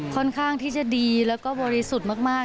ค่อนข้างที่จะดีแล้วก็บริสุทธิ์มาก